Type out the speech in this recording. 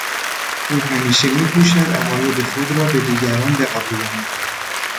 او همیشه میکوشد عقاید خود را به دیگران بقبولاند.